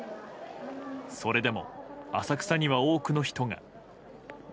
それでも浅草には多くの人が。